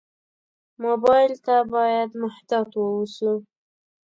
موبایل ته باید محتاط ووسو.